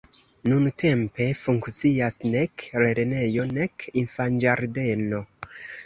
Nuntempe funkcias nek lernejo, nek infanĝardeno.